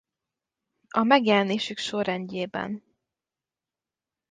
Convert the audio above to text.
A megjelenésük sorrendjében.